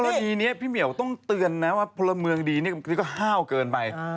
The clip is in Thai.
คดีนี้พี่เหมียวต้องเตือนนะว่าพลเมืองดีนี่ก็ห้าวเกินไป